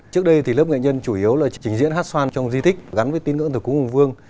trước đây thì lớp nghệ nhân chủ yếu là trình diễn hát xoan trong di tích gắn với tín ngưỡng thờ cúng hùng vương